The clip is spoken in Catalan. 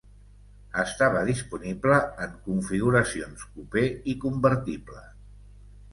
Estava disponible en configuracions coupé i convertible.